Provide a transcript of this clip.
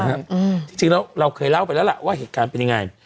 อืมจริงจริงแล้วเราเคยเล่าไปแล้วล่ะว่าเหตุการณ์เป็นยังไง